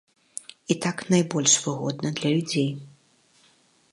І так найбольш выгодна для людзей.